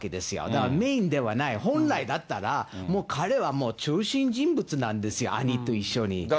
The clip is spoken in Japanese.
だからメインではない、本来だったら、もう彼はもう中心人物なんですよ、兄と一緒に。